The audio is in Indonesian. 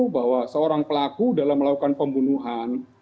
bahwa seorang pelaku dalam melakukan pembunuhan